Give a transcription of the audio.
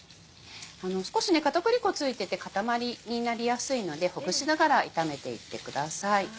少し片栗粉付いてて塊になりやすいのでほぐしながら炒めていってください。